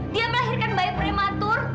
dia melahirkan bayi prematur